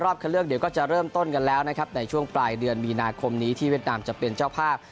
เลือกเดี๋ยวก็จะเริ่มต้นกันแล้วนะครับในช่วงปลายเดือนมีนาคมนี้ที่เวียดนามจะเป็นเจ้าภาพ